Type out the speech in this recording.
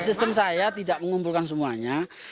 sistem saya tidak mengumpulkan semuanya